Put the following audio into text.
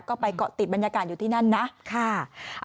ก็ไปเกาะติดบรรยากาศอยู่ที่นั่นนะค่ะ